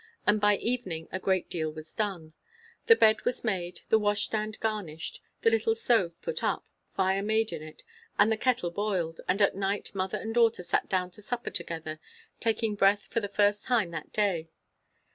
And by evening a great deal was done. The bed was made; the washstand garnished; the little stove put up, fire made in it, and the kettle boiled; and at night mother and daughter sat down to supper together, taking breath for the first time that day.